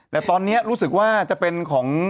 แต่ตอนนี้รู้สึกว่าจะเป็นของ